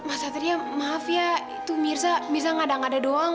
mas satria maaf ya itu mirza mirza nggak ada ada doang